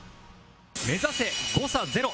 目指せ誤差ゼロ